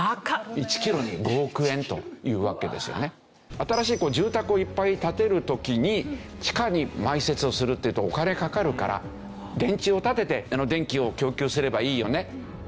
新しい住宅をいっぱい建てる時に地下に埋設をするっていうとお金かかるから電柱を建てて電気を供給すればいいよねといって